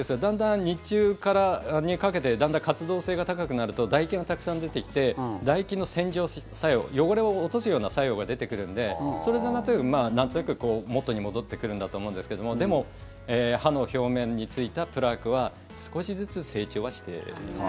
朝は、日中にかけてだんだん活動性が高くなるとだ液がたくさん出てきてだ液の洗浄作用汚れを落とすような作用が出てくるのでそれで、なんとなく元に戻ってくるんだと思うんですけどもでも、歯の表面についたプラークは少しずつ成長はしてます。